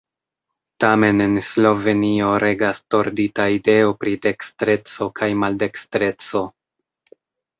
Tamen en Slovenio regas tordita ideo pri dekstreco kaj maldekstreco.